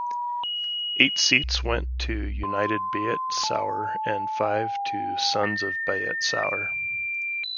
Eight seats went to 'United Beit Sahour' and five to 'Sons of Beit Sahour'.